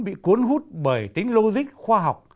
bị cuốn hút bởi tính logic khoa học